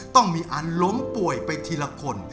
ต้องมีอันล้มป่วยไปทีละคน